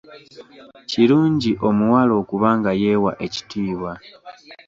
Kirungi omuwala okuba nga yeewa ekitiibwa.